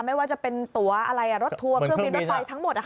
ไม่ว่าจะเป็นตัวอะไรรถทัวร์เครื่องบินรถไฟทั้งหมด